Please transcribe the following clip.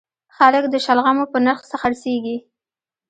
خلک د شلغمو په نرخ خرڅیږي